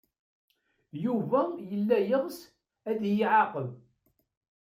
Yuba yella yeɣs ad iyi-iɛaqeb.